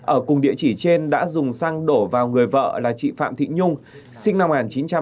ở cùng địa chỉ trên đã dùng xăng đổ vào người vợ là chị phạm thị nhung sinh năm một nghìn chín trăm tám mươi